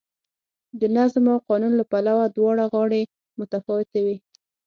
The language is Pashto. د نظم او قانون له پلوه دواړه غاړې متفاوتې وې.